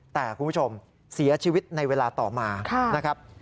แต่คุณผู้ชมเสียชีวิตในเวลาต่อมานะครับ